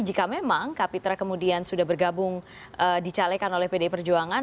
jika memang kapitra kemudian sudah bergabung dicalekan oleh pdi perjuangan